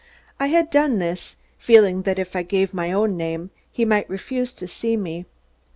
I had done this, feeling that if I gave my own name, he might refuse to see me.